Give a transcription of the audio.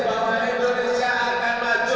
bahwa indonesia akan maju